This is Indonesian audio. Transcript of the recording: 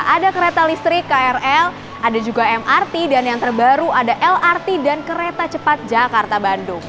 ada kereta listrik krl ada juga mrt dan yang terbaru ada lrt dan kereta cepat jakarta bandung